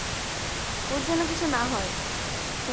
ওর যেন কিছু না হয়।